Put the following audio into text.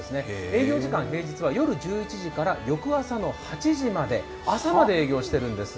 営業時間、平日は夜１１時から翌朝の８時まで朝まで営業してるんです。